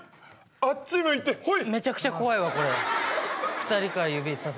あっち向いてホイ。